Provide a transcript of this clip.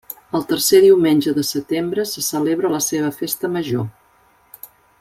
El tercer diumenge de setembre se celebra la seva festa major.